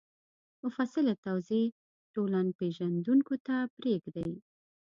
مفصله توضیح ټولنپېژندونکو ته پرېږدي